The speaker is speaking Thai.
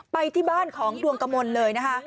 ไปที่บ้านของดวงกมลเลยนะคะ